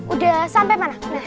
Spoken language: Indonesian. udah sampe mana